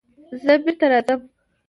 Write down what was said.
زه بېرته راځم.